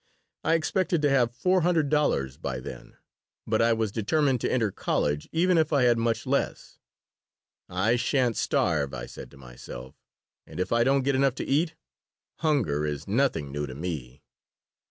I expected to have four hundred dollars by then, but I was determined to enter college even if I had much less. "I sha'n't starve," I said to myself. "And, if I don't get enough to eat, hunger is nothing new to me."